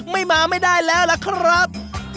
ไม่มาไม่ได้แล้วล่ะครับ